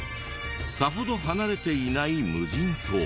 さほど離れていない無人島。